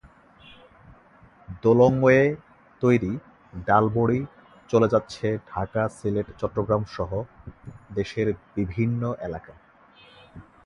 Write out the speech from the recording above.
দোলংয়ে তৈরি ডালবড়ি চলে যাচ্ছে ঢাকা, সিলেট, চট্টগ্রামসহ দেশের বিভিন্ন এলাকায়।